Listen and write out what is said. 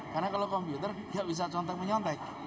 karena kalau komputer nggak bisa contek menyontek